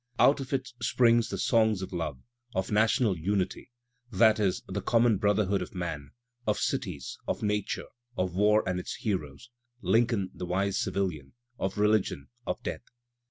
Out of it spring the. songs of love, of national unity (that is, the common brother hood of man), of cities, of nature, of war and its hero (Lin coln, the wise civilian), of religion, of death.